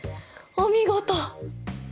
お見事！